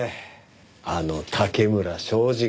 あの竹村彰二が。